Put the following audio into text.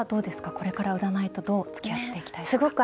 これから占いとどうつきあっていきたいですか？